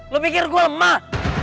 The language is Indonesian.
lo pikir gue lemah